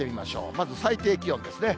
まず最低気温ですね。